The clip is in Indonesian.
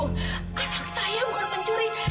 anak saya bukan pencuri